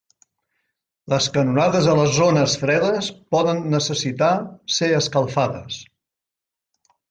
Les canonades a les zones fredes poden necessitar ser escalfades.